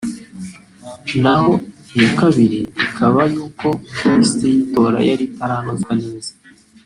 naho iya kabiri ikaba iy’uko lisiti y’itora yari itaranozwa neza